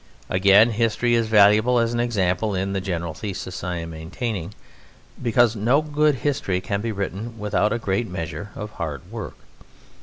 Again, History is valuable as an example in the general thesis I am maintaining, because no good history can be written without a great measure of hard work.